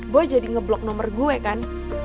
boy jadi ngeblok nomer gue kan